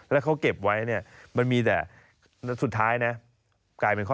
แล้วเขาเก็บไว้เนี่ยมันมีแต่สุดท้ายนะกลายเป็นข้อ